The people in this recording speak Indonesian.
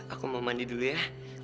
aku mau mandi dulu ya